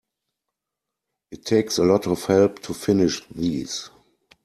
It takes a lot of help to finish these.